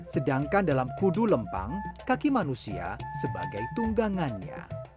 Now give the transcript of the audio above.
sedangkan dalam kudu lempang kaki manusia sebagai tunggangannya